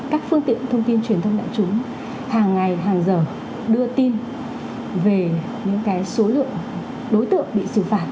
các phương tiện thông tin truyền thông đại chúng hàng ngày hàng giờ đưa tin về những số lượng đối tượng bị xử phạt